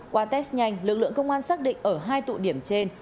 qua test nhanh lực lượng công an xác định ở hai tụ điểm trên